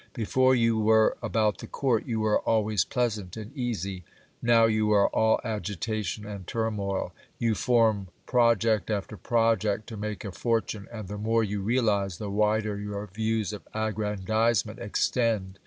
Before you were about the court, you were always pleasant and easy. Now you are all agitation and turmoil. You form project after project to make a for tune, and the more you realize, the wider your views of aggrandizement extend.